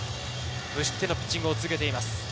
無失点のピッチングを続けています。